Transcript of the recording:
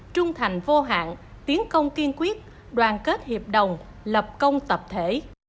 trung thành vô hạn tiến công kiên quyết đoàn kết hiệp đồng lập công tập thể